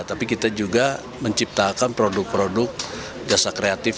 tapi kita juga menciptakan produk produk jasa kreatif